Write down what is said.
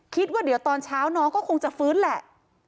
คิดว่าเดี๋ยวตอนเช้าน้องก็คงจะฟื้นแหละ